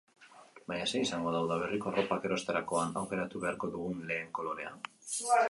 Baina zein izango da udaberriko arropak erosterakoan aukeratu beharko dugun lehen kolorea?